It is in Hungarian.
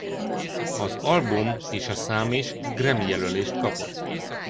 Az album és a szám is Grammy jelölést kapott.